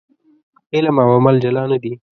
علم او عمل جلا نه دي.